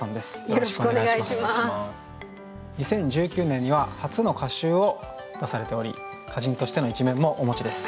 ２０１９年には初の歌集を出されており歌人としての一面もお持ちです。